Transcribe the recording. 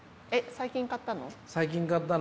最近買ったの。